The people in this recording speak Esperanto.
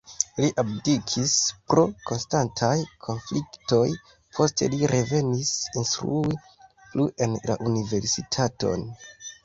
Li abdikis pro konstantaj konfliktoj, poste li revenis instrui plu en la universitaton.